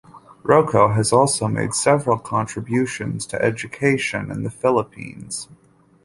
Roco has also made several contributions to education in the Philippines.